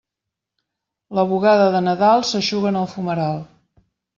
La bugada de Nadal s'eixuga en el fumeral.